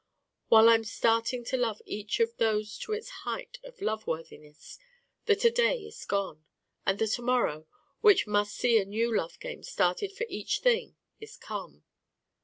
While I'm starting to love each of those to its height of love worthiness the to day is gone: and the to morrow, which must see a new love game started for each Thing, is come.